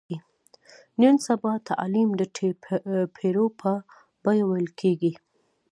نن سبا تعلیم د ټېپرو په بیه ویل کېږي.